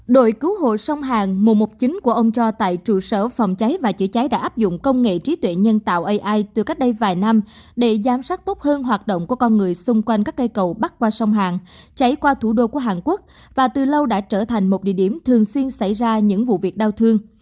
đội cứu hộ sông hàng một trăm một mươi chín của ông cho tại trụ sở phòng cháy và chữa cháy đã áp dụng công nghệ trí tuệ nhân tạo ai từ cách đây vài năm để giám sát tốt hơn hoạt động của con người xung quanh các cây cầu bắc qua sông hàn chảy qua thủ đô của hàn quốc và từ lâu đã trở thành một địa điểm thường xuyên xảy ra những vụ việc đau thương